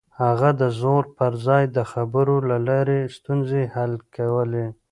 هغه د زور پر ځای د خبرو له لارې ستونزې حل کولې.